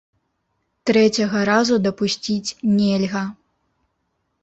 Трэцяга разу дапусціць нельга.